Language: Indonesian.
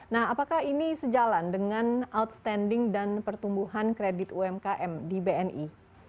nah apakah ini sejalan dengan outstanding dan pertumbuhan kredit umkm di bni